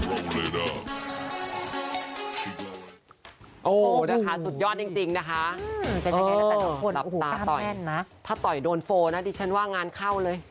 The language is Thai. โอ้โหนะคะสุดยอดจริงนะคะเป็นยังไงแล้วแต่ทุกคนหลับตาต่อยนะถ้าต่อยโดนโฟลนะดิฉันว่างานเข้าเลย